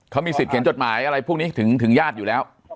เขามีสิทธิเขียนจดหมายอะไรพวกนี้ถึงญาติอยู่แล้ว